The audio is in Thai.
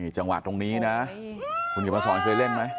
จังหวะตรงนี้นะเขมาศอนเคยเล่มหรือ